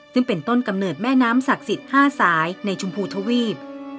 ซึ่งเป็นต้นกำเนิดแม่น้ำศักดิ์สิทธิ์๕สายในชมพูทวีป